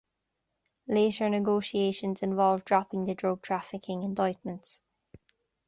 Later negotiations involved dropping the drug-trafficking indictments.